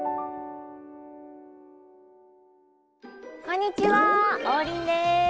こんにちは王林です。